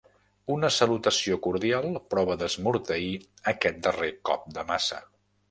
Una salutació cordial prova d'esmorteir aquest darrer cop de maça.